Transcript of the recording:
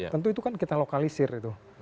tentu itu kan kita lokalisir itu